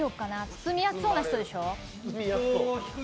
包みやすそうな人でしょ。